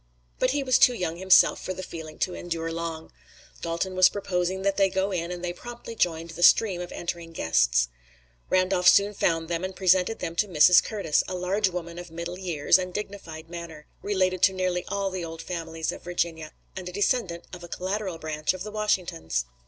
But he was too young himself for the feeling to endure long. Dalton was proposing that they go in and they promptly joined the stream of entering guests. Randolph soon found them and presented them to Mrs. Curtis, a large woman of middle years, and dignified manner, related to nearly all the old families of Virginia, and a descendant of a collateral branch of the Washingtons.